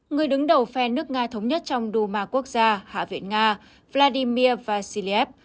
người đứng đầu phe nước nga thống nhất trong duma quốc gia hạ viện nga vladimir vassiliev